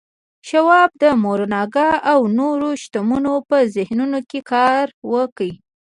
شواب د مورګان او نورو شتمنو په ذهنونو کې کار وکړ